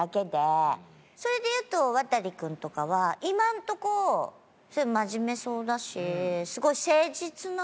それでいうとワタリ君とかは今のところ真面目そうだしすごい誠実な。